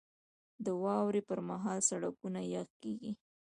• د واورې پر مهال سړکونه یخ کېږي.